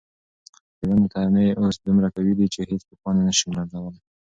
د ونو تنې اوس دومره قوي دي چې هیڅ طوفان یې نه شي لړزولی.